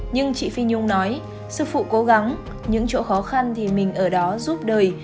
nhưng chị phi nhung nói sự phụ cố gắng những chỗ khó khăn thì mình ở đó giúp đời